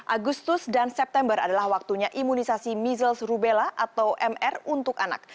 agustus dan september adalah waktunya imunisasi mizles rubella atau mr untuk anak